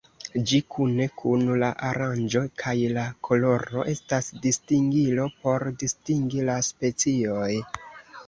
Ĝi, kune kun la aranĝo kaj la koloro, estas distingilo por distingi la specioj.